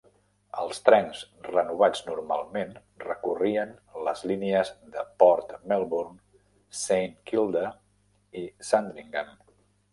Els trens renovats normalment recorrien les línies de Port Melbourne, Saint Kilda i Sandringham.